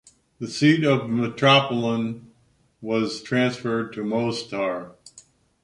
The seat of metropolitan was transferred to Mostar.